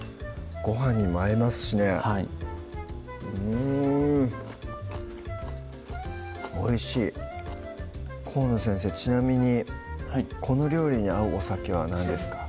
ごはんにも合いますしねはいうんおいしい河野先生ちなみにこの料理に合うお酒は何ですか？